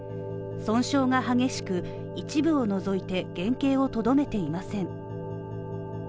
損傷が激しく、一部を除いて原形をとどめていません。